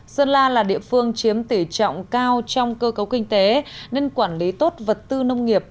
sơn la là địa phương chiếm tỷ trọng cao trong cơ cấu kinh tế nên quản lý tốt vật tư nông nghiệp